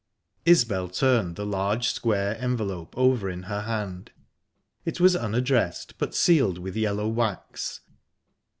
Isbel turned the large, square envelope over in her hand; it was unaddressed, but sealed with yellow wax.